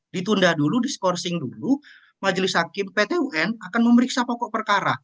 ditunda dulu diskorsing dulu majelis hakim pt un akan memeriksa pokok perkara